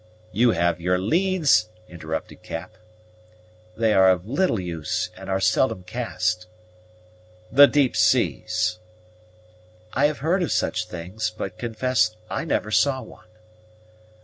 "You have your leads," interrupted Cap. "They are of little use, and are seldom cast." "The deep seas." "I have heard of such things, but confess I never saw one."